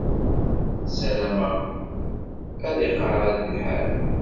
Sarameɣ ad iqeεεed lḥal.